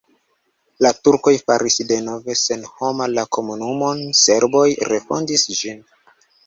La turkoj faris denove senhoma la komunumon, serboj refondis ĝin.